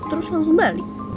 terus langsung balik